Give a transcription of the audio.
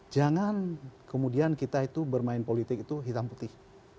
jangan kemudian kita itu bermain politik itu hitam putih